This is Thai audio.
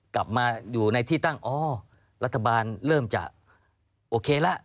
กลับมาอยู่ในที่ตั้งอ๋อรัฐบาลเริ่มจะโอเคแล้ว